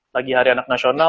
lagi hari anak nasional